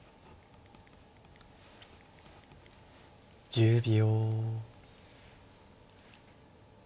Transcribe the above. １０秒。